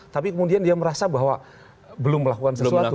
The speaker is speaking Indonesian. tapi kemudian dia merasa bahwa belum melakukan sesuatu